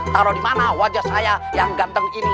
taruh di mana wajah saya yang ganteng ini